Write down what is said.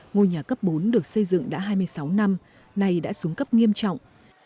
ngôi nhà cấp bốn được xây dựng đã hai mươi sáu năm nay đã xuống cấp nghiêm trọng